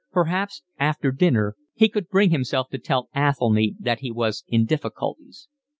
Perhaps after dinner he could bring himself to tell Athelny that he was in difficulties.